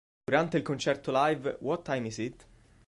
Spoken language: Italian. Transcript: Durante il concerto live "What Time is It?